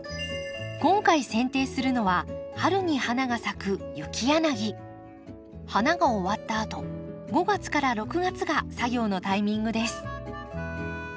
今回せん定するのは春に花が咲く花が終わったあと５月から６月が作業のタイミングです。